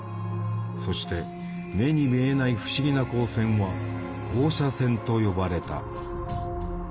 そして「目に見えない不思議な光線」は「放射線」と呼ばれた。